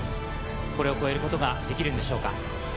これを超えることができるでしょうか？